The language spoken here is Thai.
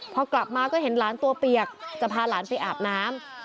พอกลับมาก็เห็นหลานตัวเปียกจะพาหลานไปอาบน้ำ